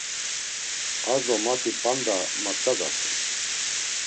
Ar do mati p̌anda matsadasen.